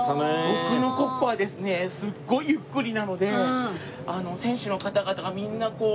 僕の国歌はですねすごいゆっくりなので選手の方々がみんなこうね